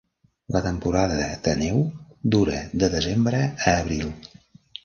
La temporada de neu dura de desembre a abril.